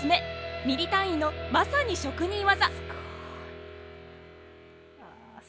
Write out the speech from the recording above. ミリ単位の、まさに職人技。